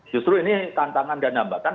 justru ini tantangan dan hambatan